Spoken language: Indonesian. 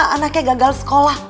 anaknya gagal sekolah